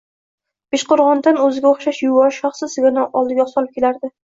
Beshqo‘rg‘ondan o‘ziga o‘xshash yuvosh, shoxsiz sigirini oldiga solib kelardi.